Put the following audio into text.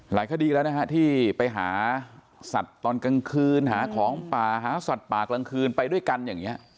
คดีแล้วนะฮะที่ไปหาสัตว์ตอนกลางคืนหาของป่าหาสัตว์ป่ากลางคืนไปด้วยกันอย่างนี้